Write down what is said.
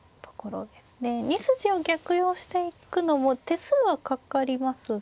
２筋を逆用していくのも手数はかかりますが。